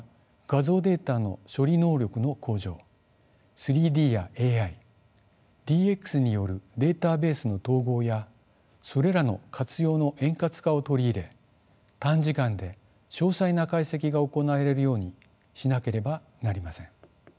３ＤやＡＩＤＸによるデータベースの統合やそれらの活用の円滑化を取り入れ短時間で詳細な解析が行えるようにしなければなりません。